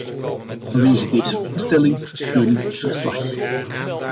Vanwege deze doelstelling steun ik dit verslag.